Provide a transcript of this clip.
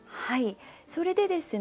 それでですね